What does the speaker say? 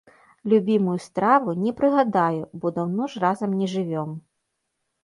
Любімую страву не прыгадаю, бо даўно ж разам не жывём.